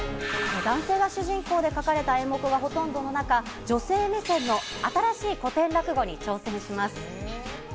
男性が主人公で書かれた演目がほとんどの中、女性目線の新しい古典落語に挑戦します。